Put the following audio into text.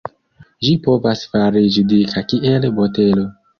Ĝi povas fariĝi dika kiel botelo.